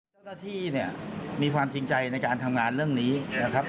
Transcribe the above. เจ้าหน้าที่เนี่ยมีความจริงใจในการทำงานเรื่องนี้นะครับ